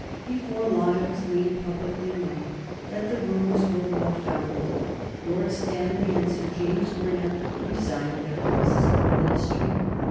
Before long it was made publicly known that the rumors were well founded. Lord Stanley and Sir James Graham resigned their places in the Ministry.